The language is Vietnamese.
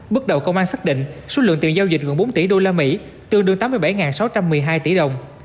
bước đầu công an xác định số lượng tiền giao dịch gần bốn tỷ usd tương đương tám mươi bảy sáu trăm một mươi hai tỷ đồng